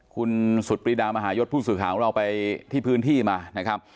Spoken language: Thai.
คุณสุดปรีดามหายศผู้สื่อข่าวของเราไปที่พื้นที่มานะครับ